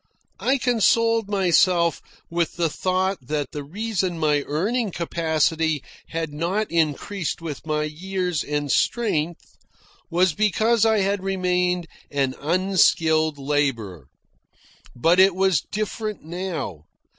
I consoled myself with the thought that the reason my earning capacity had not increased with my years and strength was because I had remained an unskilled labourer. But it was different now.